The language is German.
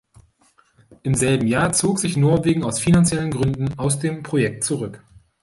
Im selben Jahr zog sich Norwegen aus finanziellen Gründen aus dem Projekt zurück.